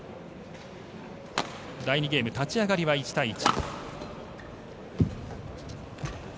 第２ゲーム立ち上がりは１対１。